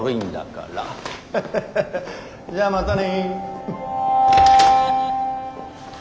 じゃあまたね。